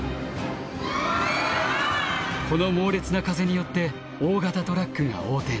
この猛烈な風によって大型トラックが横転。